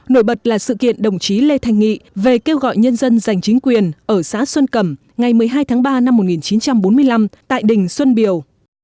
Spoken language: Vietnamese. nổi bật là sự kiện đồng chí lê thanh nghị về kêu gọi nhân dân giành chính quyền ở xã xuân cẩm ngày một mươi hai tháng ba năm một nghìn chín trăm bốn mươi năm tại đỉnh xuân biều